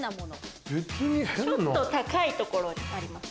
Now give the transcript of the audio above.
ちょっと高いところにあります。